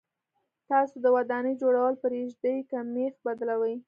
تاسو د ودانۍ جوړول پرېږدئ که مېخ بدلوئ.